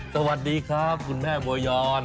สวัสดีครับคุณแม่บัวยอน